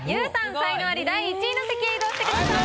才能アリ第１位の席へ移動してください。